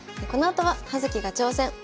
このあとは「葉月が挑戦！」。